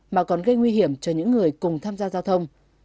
mà còn gây nguy hiểm cho những người cùng tham gia giao thông